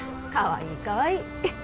かわいいかわいい。